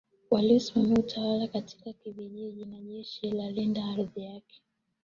Waliosimamia utawala katika vijiji na jeshi la kulinda ardhi yake